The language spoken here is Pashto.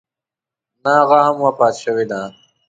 نه هغه هم وفات شوې ده.